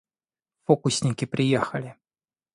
Фокусники приехали!